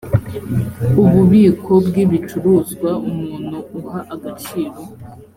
ububiko bw ibicuruzwa umuntu uha agaciro